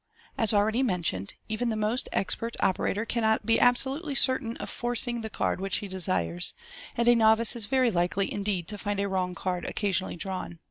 As already mentioned, even the most expert operator cannot be absolutely certain of "forcing" the card which he desires, and a novice is very likely indeed to find a wrong card occasionally drawn.